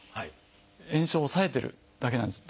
炎症を抑えてるだけなんです。